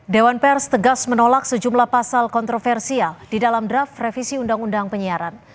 dewan pers tegas menolak sejumlah pasal kontroversial di dalam draft revisi undang undang penyiaran